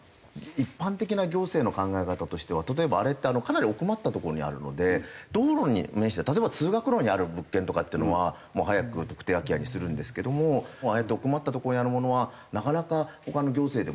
一般的な行政の考え方としては例えばあれってかなり奥まった所にあるので道路に面して例えば通学路にある物件とかっていうのは早く特定空き家にするんですけどもああやって奥まった所にあるものはなかなか他の行政でもですね